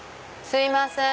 すいません。